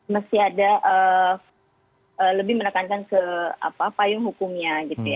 mesti ada lebih menekankan ke payung hukumnya